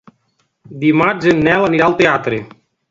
Dimarts en Nel anirà al teatre.